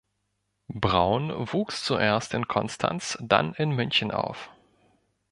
Braun wuchs zuerst in Konstanz, dann in München auf.